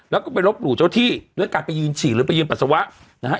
แล้วก็ไปลบหลู่เจ้าที่ด้วยการไปยืนฉี่หรือไปยืนปัสสาวะนะฮะ